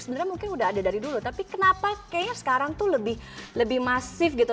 sebenarnya mungkin udah ada dari dulu tapi kenapa kayaknya sekarang tuh lebih masif gitu